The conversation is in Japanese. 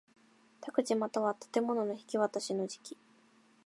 宅地又は建物の引渡しの時期